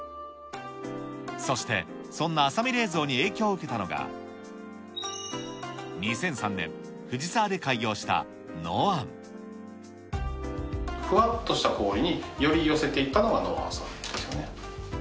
そして、そんな阿佐美冷蔵に影響を受けたのが、２００３年、ふわっとした氷に、より寄せていったのが埜庵さんですよね。